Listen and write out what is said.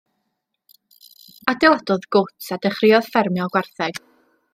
Adeiladodd gwt a dechreuodd ffermio gwartheg.